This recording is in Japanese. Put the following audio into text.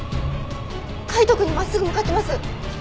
海斗くんに真っすぐ向かってます！